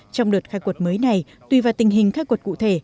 trong đợt khai quật mới này tùy vào tình hình khai quật cụ thể